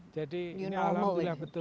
jadi ini alam betul